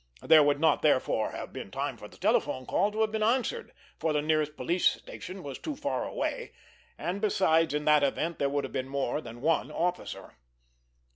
There would not, therefore, have been time for the telephone call to have been answered, for the nearest police station was too far away, and besides, in that event, there would have been more than one officer.